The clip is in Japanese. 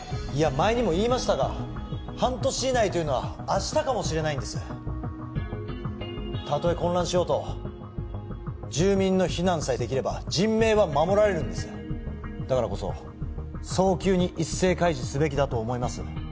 前にも言いましたが半年以内というのは明日かもしれないんですたとえ混乱しようと住民の避難さえできれば人命は守られるんですだからこそ早急に一斉開示すべきだと思います